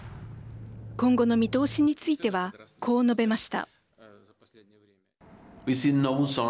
今後の見通しについてはこう述べました。